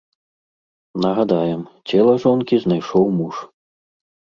Нагадаем, цела жонкі знайшоў муж.